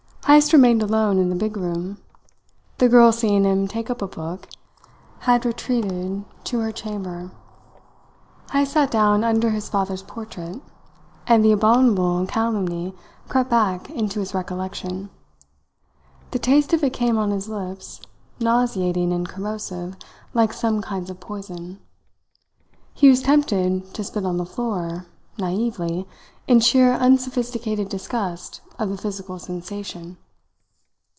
Heyst remained alone in the big room. The girl seeing him take up a book, had retreated to her chamber. Heyst sat down under his father's portrait; and the abominable calumny crept back into his recollection. The taste of it came on his lips, nauseating and corrosive like some kinds of poison. He was tempted to spit on the floor, naively, in sheer unsophisticated disgust of the physical sensation.